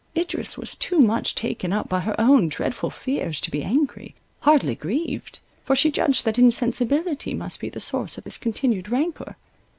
Idris was too much taken up by her own dreadful fears, to be angry, hardly grieved; for she judged that insensibility must be the source of this continued rancour.